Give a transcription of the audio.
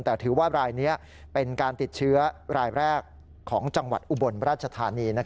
แต่ถือว่ารายนี้เป็นการติดเชื้อรายแรกของจังหวัดอุบลราชธานี